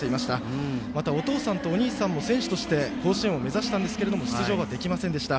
またお父さんとお兄さんも選手として甲子園を目指したんですが出場ができませんでした。